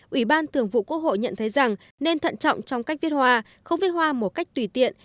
ủy ban thường vụ quốc hội nhận thấy rằng nên thận trọng trong cách viết hoa không viết hoa một cách tùy tiện